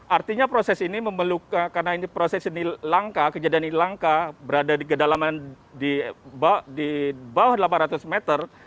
artinya proses ini karena ini proses ini langka kejadian ini langka berada di kedalaman di bawah delapan ratus meter